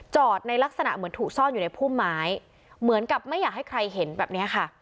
ในลักษณะเหมือนถูกซ่อนอยู่ในพุ่มไม้เหมือนกับไม่อยากให้ใครเห็นแบบเนี้ยค่ะ